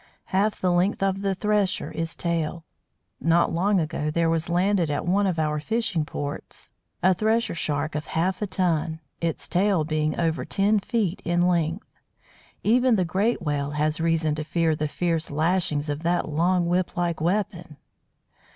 Half the length of the Thresher is tail. Not long ago there was landed at one of our fishing ports a Thresher Shark of half a ton, its tail being over ten feet in length. Even the great Whale has reason to fear the fierce lashings of that long, whip like weapon!